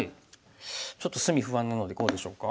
ちょっと隅不安なのでこうでしょうか？